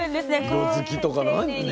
色づきとかね。